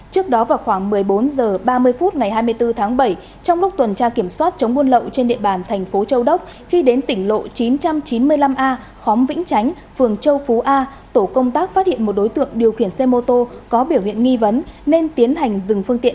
trước đó vào khoảng một mươi bốn h ba mươi phút ngày hai mươi bốn tháng bảy trong lúc tuần tra kiểm soát chống buôn lậu trên địa bàn thành phố châu đốc khi đến tỉnh lộ chín trăm chín mươi năm a khóm vĩnh chánh phường châu phú a tổ công tác phát hiện một đối tượng điều khiển xe mô tô có biểu hiện nghi vấn nên tiến hành dừng phương tiện